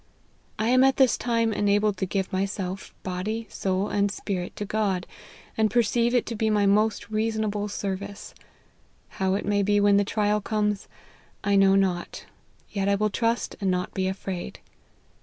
I am at this time enabled to give myself, body, soul, and spirit, to God, and perceive it to be my most reasonable service. How it may be when the trial comes, I know not, yet I will trust and not be afraid.